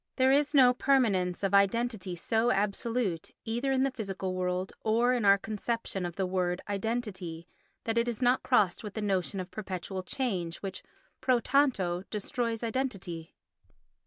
There is no permanence of identity so absolute, either in the physical world, or in our conception of the word "identity," that it is not crossed with the notion of perpetual change which, pro tanto, destroys identity.